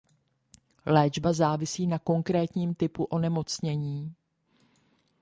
Léčba závisí na konkrétním typu onemocnění.